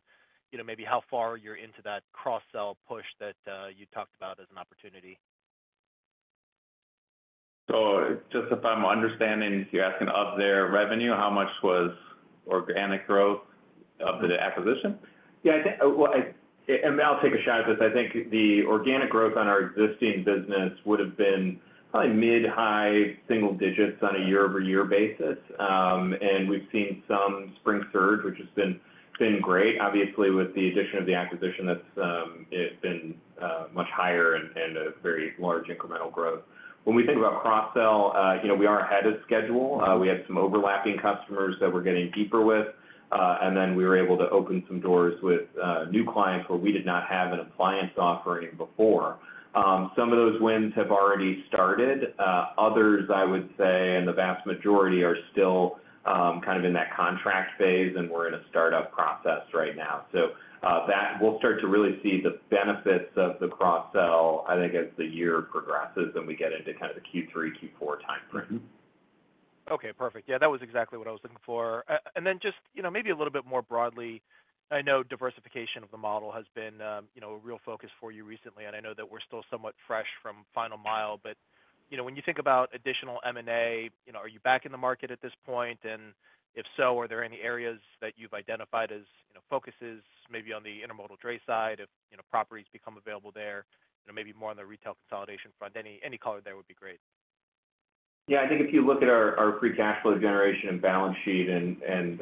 you know, maybe how far you're into that cross-sell push that you talked about as an opportunity. Just if I'm understanding, you're asking of their revenue, how much was organic growth of the acquisition? Yeah, I think, well, I'll take a shot at this. I think the organic growth on our existing business would have been probably mid-high single digits on a year-over-year basis. And we've seen some spring surge, which has been great. Obviously, with the addition of the acquisition, that's, it's been much higher and a very large incremental growth. When we think about cross-sell, you know, we are ahead of schedule. We had some overlapping customers that we're getting deeper with, and then we were able to open some doors with new clients where we did not have an appliance offering before. Some of those wins have already started, others, I would say and the vast majority are still kind of in that contract phase, and we're in a startup process right now. So, we'll start to really see the benefits of the cross sell, I think, as the year progresses, and we get into kind of the Q3, Q4 timeframe. Okay, perfect. Yeah, that was exactly what I was looking for. And then just, you know, maybe a little bit more broadly, I know diversification of the model has been, you know, a real focus for you recently, and I know that we're still somewhat fresh from Final Mile, but, you know, when you think about additional M&A, you know, are you back in the market at this point? And if so, are there any areas that you've identified as, you know, focuses maybe on the intermodal dray side, if, you know, properties become available there? You know, maybe more on the retail consolidation front. Any color there would be great. Yeah, I think if you look at our, our free cash flow generation and balance sheet and, and,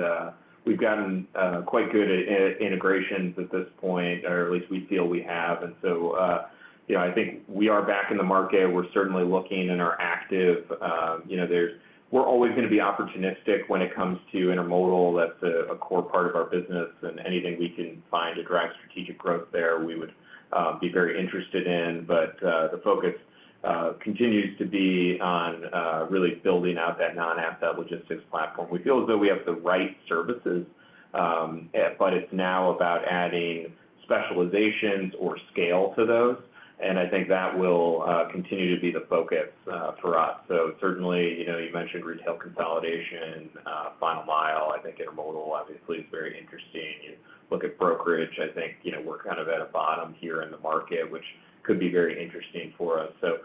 we've gotten, quite good at, at integrations at this point, or at least we feel we have. And so, you know, I think we are back in the market. We're certainly looking and are active. You know, there's-- we're always gonna be opportunistic when it comes to intermodal. That's a, a core part of our business, and anything we can find to drive strategic growth there, we would, be very interested in. But, the focus, continues to be on, really building out that non-asset logistics platform. We feel as though we have the right services, but it's now about adding specializations or scale to those, and I think that will, continue to be the focus, for us. So certainly, you know, you mentioned retail consolidation, Final Mile. I think intermodal obviously is very interesting. You look at brokerage, I think, you know, we're kind of at a bottom here in the market, which could be very interesting for us. So,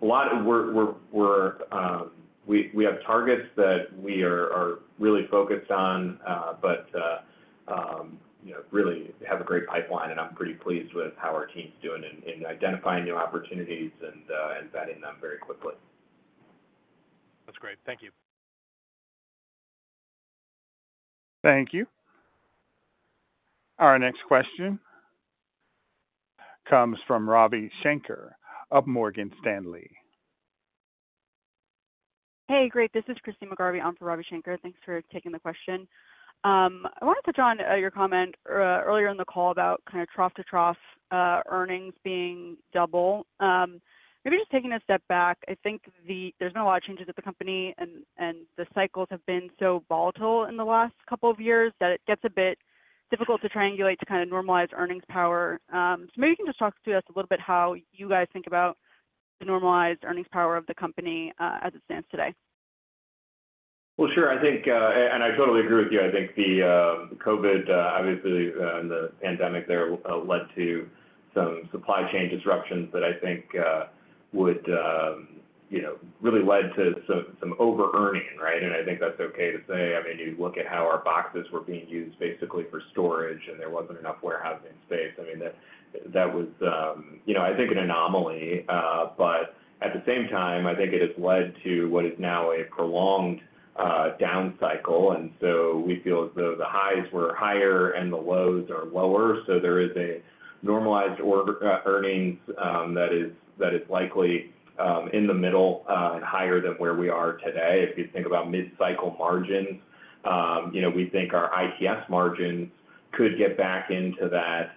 we're a lot... we have targets that we are really focused on, but you know, really have a great pipeline, and I'm pretty pleased with how our team's doing in identifying new opportunities and vetting them very quickly. That's great. Thank you. Thank you. Our next question comes from Ravi Shanker of Morgan Stanley. Hey, great. This is Christyne McGarvey on for Ravi Shanker. Thanks for taking the question. I wanted to touch on your comment earlier in the call about kind of trough-to-trough earnings being double. Maybe just taking a step back, I think there's been a lot of changes at the company, and the cycles have been so volatile in the last couple of years, that it gets a bit difficult to triangulate, to kind of normalize earnings power. So maybe you can just talk to us a little bit how you guys think about the normalized earnings power of the company as it stands today. Well, sure. I think, and I totally agree with you. I think the, COVID, obviously, and the pandemic there, led to some supply chain disruptions that I think, would, you know, really led to some, some overearning, right? And I think that's okay to say. I mean, you look at how our boxes were being used basically for storage, and there wasn't enough warehousing space. I mean, that, that was, you know, I think an anomaly. But at the same time, I think it has led to what is now a prolonged, down cycle, and so we feel as though the highs were higher and the lows are lower, so there is a normalized order, earnings, that is, that is likely, in the middle, and higher than where we are today. If you think about mid-cycle margins, you know, we think our ITS margins could get back into that,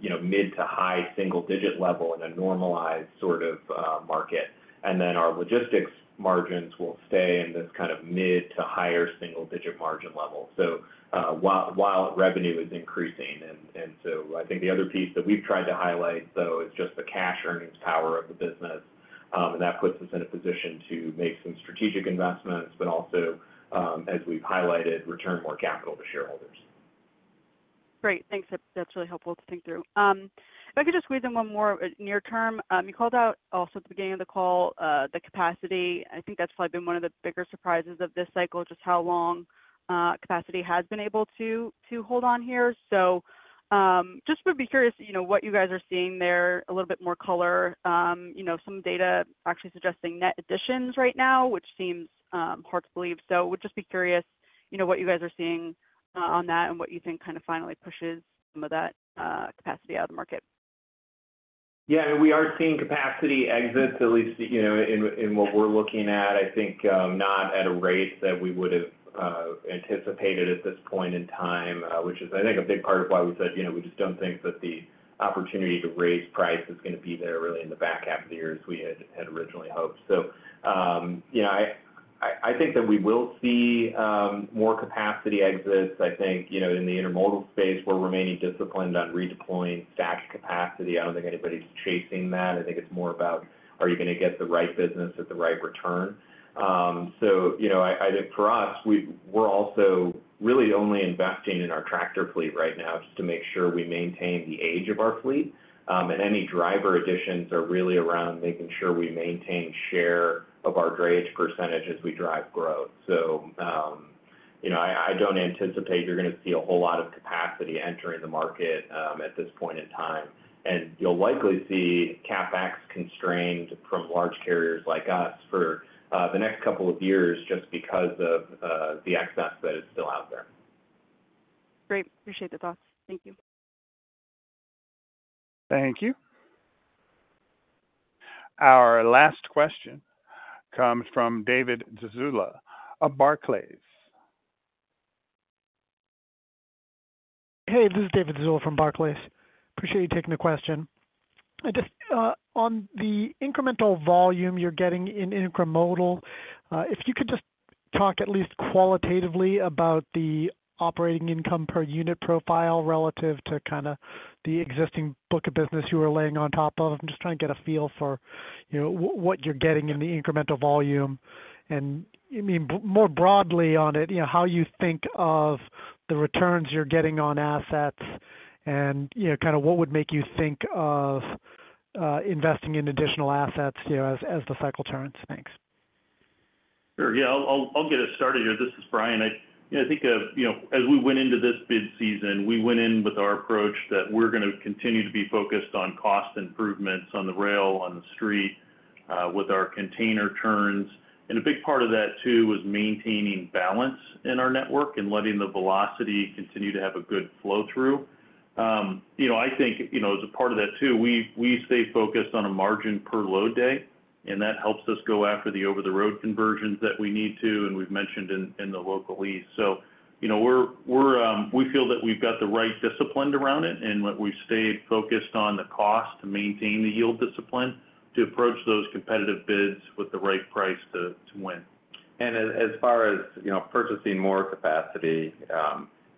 you know, mid- to high-single-digit level in a normalized sort of market. And then our logistics margins will stay in this kind of mid- to higher-single-digit margin level, so while revenue is increasing. And so I think the other piece that we've tried to highlight, though, is just the cash earnings power of the business. And that puts us in a position to make some strategic investments, but also, as we've highlighted, return more capital to shareholders. Great, thanks. That's really helpful to think through. If I could just squeeze in one more near term. You called out also at the beginning of the call, the capacity. I think that's probably been one of the bigger surprises of this cycle, just how long capacity has been able to hold on here. So, just would be curious, you know, what you guys are seeing there, a little bit more color. You know, some data actually suggesting net additions right now, which seems hard to believe. So would just be curious, you know, what you guys are seeing on that and what you think kind of finally pushes some of that capacity out of the market. Yeah, I mean, we are seeing capacity exits, at least, you know, in what we're looking at. I think, not at a rate that we would have anticipated at this point in time, which is, I think, a big part of why we said, you know, we just don't think that the opportunity to raise price is gonna be there really in the back half of the year, as we had originally hoped. So, you know, I think that we will see more capacity exits. I think, you know, in the intermodal space, we're remaining disciplined on redeploying stacked capacity. I don't think anybody's chasing that. I think it's more about, are you gonna get the right business at the right return? So you know, I think for us, we're also really only investing in our tractor fleet right now, just to make sure we maintain the age of our fleet. And any driver additions are really around making sure we maintain share of our drayage percentage as we drive growth. So, you know, I don't anticipate you're gonna see a whole lot of capacity entering the market, at this point in time. And you'll likely see CapEx constrained from large carriers like us for the next couple of years, just because of the excess that is still out there. Great. Appreciate the thoughts. Thank you. Thank you. Our last question comes from David Zazula of Barclays. Hey, this is David Zazula from Barclays. Appreciate you taking the question. I just on the incremental volume you're getting in intermodal, if you could just talk at least qualitatively about the operating income per unit profile relative to kind of the existing book of business you were laying on top of. I'm just trying to get a feel for, you know, what you're getting in the incremental volume. And you mean more broadly on it, you know, how you think of the returns you're getting on assets and, you know, kind of what would make you think of investing in additional assets, you know, as the cycle turns? Thanks. Sure, yeah, I'll get us started here. This is Brian. You know, I think you know, as we went into this bid season, we went in with our approach that we're gonna continue to be focused on cost improvements on the rail, on the street, with our container turns. And a big part of that, too, was maintaining balance in our network and letting the velocity continue to have a good flow-through. You know, I think, as a part of that, too, we stay focused on a margin per load day, and that helps us go after the over-the-road conversions that we need to, and we've mentioned in the Local East. So, you know, we feel that we've got the right discipline around it, and we've stayed focused on the cost to maintain the yield discipline, to approach those competitive bids with the right price to win. As far as, you know, purchasing more capacity,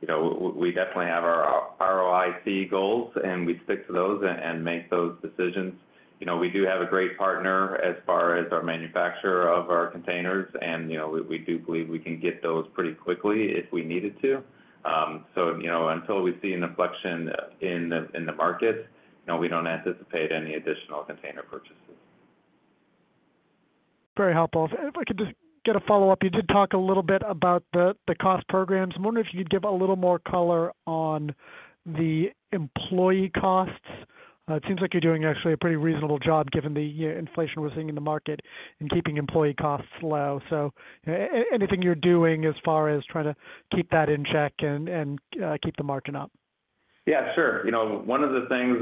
we definitely have our ROIC goals, and we stick to those and make those decisions. You know, we do have a great partner as far as our manufacturer of our containers, and, you know, we do believe we can get those pretty quickly if we needed to. So, you know, until we see an inflection in the market, no, we don't anticipate any additional container purchases. Very helpful. And if I could just get a follow-up, you did talk a little bit about the cost programs. I'm wondering if you could give a little more color on the employee costs. It seems like you're doing actually a pretty reasonable job, given the inflation we're seeing in the market, in keeping employee costs low. So anything you're doing as far as trying to keep that in check and keep the margin up? Yeah, sure. You know, one of the things,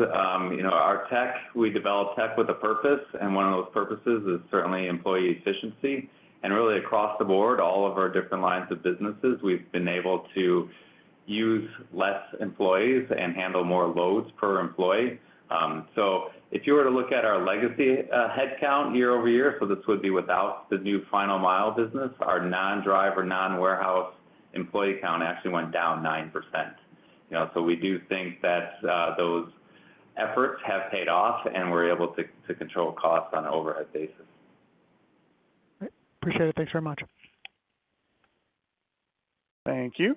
you know, our tech, we develop tech with a purpose, and one of those purposes is certainly employee efficiency. And really, across the board, all of our different lines of businesses, we've been able to use less employees and handle more loads per employee. So if you were to look at our legacy, headcount year-over-year, so this would be without the new Final Mile business, our non-driver, non-warehouse employee count actually went down 9%. You know, so we do think that, those efforts have paid off, and we're able to, to control costs on an overhead basis. Great. Appreciate it. Thanks very much. Thank you.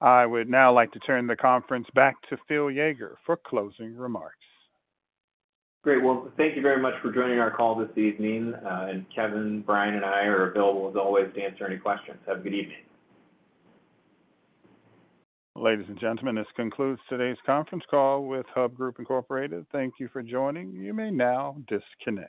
I would now like to turn the conference back to Phil Yeager for closing remarks. Great. Well, thank you very much for joining our call this evening, and Kevin, Brian, and I are available, as always, to answer any questions. Have a good evening. Ladies and gentlemen, this concludes today's conference call with Hub Group Incorporated. Thank you for joining. You may now disconnect.